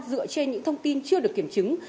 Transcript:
dựa trên những thông tin chưa được kiểm chứng